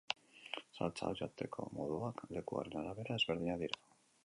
Saltsa hau jateko moduak lekuaren arabera ezberdinak dira.